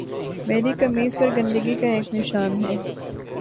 میری قمیض پر گندگی کا ایک نشان ہے